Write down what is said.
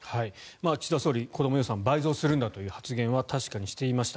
岸田総理、子ども予算倍増するんだという発言は確かにしていました。